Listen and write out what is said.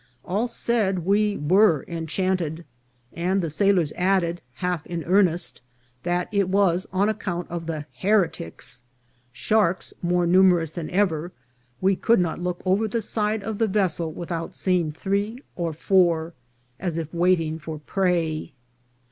All said we were enchanted ; and the sailors added, half in earnest, that it was on account of the heretics ; sharks more numerous than ever \ we could not look over the side of the vessel without see ing three or four, as if waiting for prey.